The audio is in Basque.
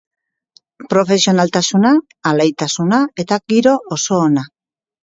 Profesionaltasuna, alaitasuna eta giro oso ona.